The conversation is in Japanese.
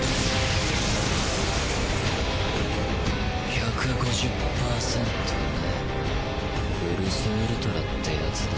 １５０％ねプルスウルトラってやつだ。